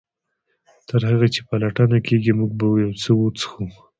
تر هغه چې پلټنه کیږي موږ به یو څه وڅښو